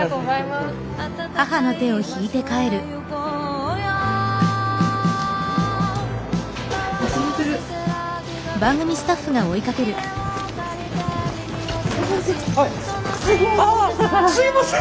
すみません。